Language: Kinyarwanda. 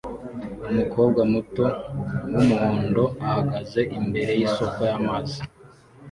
Umukobwa muto wumuhondo ahagaze imbere yisoko y'amazi